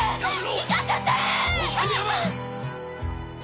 行かせて！